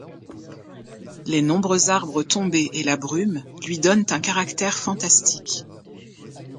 Les nombreux arbres tombés et la brume lui donnent un caractère fantastique.